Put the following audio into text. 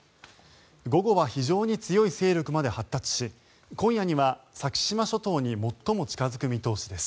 午後は非常に強い勢力まで発達し今夜には先島諸島に最も近付く見通しです。